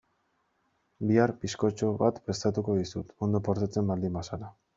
Bihar bizkotxo bat prestatuko dizut ondo portatzen baldin bazara.